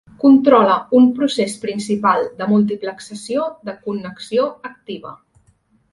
Controla un procés principal de multiplexació de connexió activa.